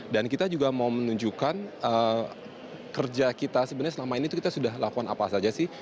dan kita juga mau menunjukkan kerja kita sebenarnya selama ini itu kita sudah lakukan apa saja sih